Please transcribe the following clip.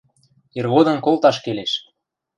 Иргодым колташ келеш!..